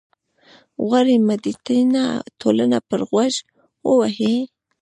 غواړي متدینه ټولنه پر غوږ ووهي.